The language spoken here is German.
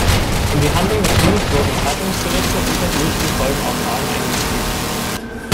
In die Handlung des Films wurden Zeitungsberichte, Interviews und Zeugenaussagen eingespielt.